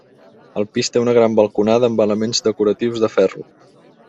El pis té una gran balconada amb elements decoratius de ferro.